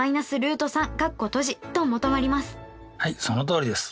はいそのとおりです。